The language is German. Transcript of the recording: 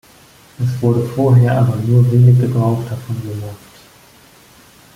Es wurde vorher aber nur wenig Gebrauch davon gemacht.